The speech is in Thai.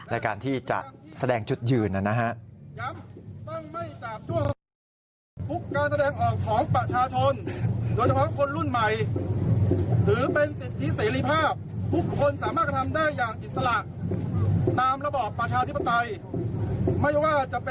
ในการที่จะแสดงจุดยืนนะฮะ